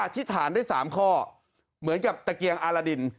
ธิษฐานได้๓ข้อเหมือนกับตะเกียงอารดิน